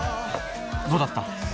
どうだった？